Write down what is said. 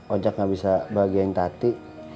ojak gak bisa bagi yang tati